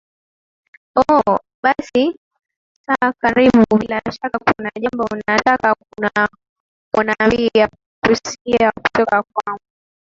ooh basi sawakaribu bila shaka kuna jambo unataka kunambia kusikia kutoka kwangu